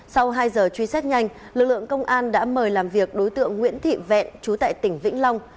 sau hai giờ truy xét nhanh lực lượng công an đã mời làm việc đối tượng nguyễn thị vẹn chú tại tỉnh vĩnh long